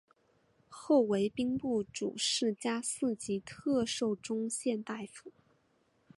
后为兵部主事加四级特授中宪大夫。